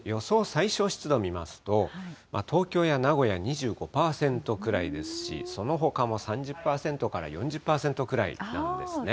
最小湿度を見ますと、東京や名古屋２５％くらいですし、そのほかも３０％から４０％くらいなんですね。